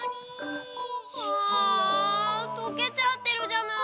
とけちゃってるじゃない。